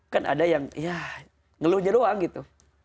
kan ada yang ya ngeluhnya doang gitu